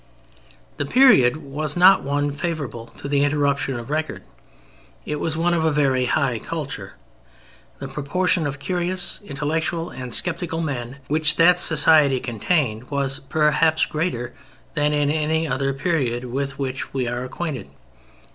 The period was not one favorable to the interruption of record. It was one of a very high culture. The proportion of curious, intellectual, and skeptical men which that society contained was perhaps greater than in any other period with which we are acquainted.